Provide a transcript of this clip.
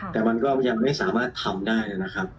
แต่มันก็ยังไม่สามารถทำได้นะครับ